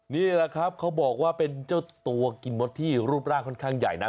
นี่แหละครับเขาบอกว่าเป็นเจ้าตัวกินมดที่รูปร่างค่อนข้างใหญ่นะ